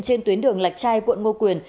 trên tuyến đường lạch trai quận ngo quyền